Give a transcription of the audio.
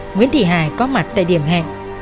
nguyễn thị hải có mặt tại điểm hẹn